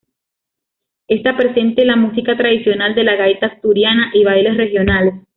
Esta presente la música tradicional de la gaita asturiana y bailes regionales.